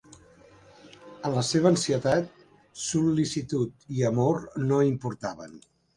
En la seva ansietat, sol·licitud i amor no importaven.